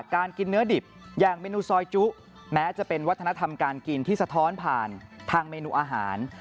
การกินเนื้อดิบอย่างเมนูซอยจุแม้จะเป็นวัฒนธรรมการกินที่สะท้อนผ่านทางเมนูอาหาร